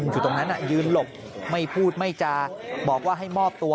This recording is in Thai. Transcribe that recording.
อยู่ตรงนั้นยืนหลบไม่พูดไม่จาบอกว่าให้มอบตัว